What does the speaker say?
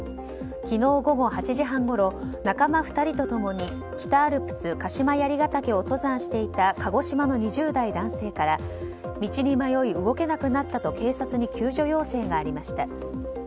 昨日午後８時半ごろ仲間２人と共に北アルプス鹿島槍ケ岳を登山していた鹿児島の２０代男性から道に迷い動けなくなったと警察に救助要請がありました。